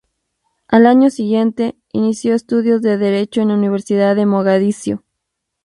Al año siguiente, inició estudios de derecho en la Universidad de Mogadiscio.